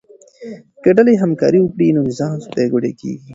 که ډلې همکاري وکړي نو نظام پیاوړی کیږي.